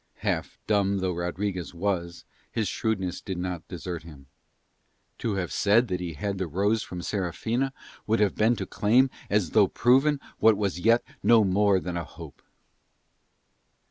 Half dumb though Rodriguez was his shrewdness did not desert him. To have said that he had the rose from Serafina would have been to claim as though proven what was yet no more than a hope.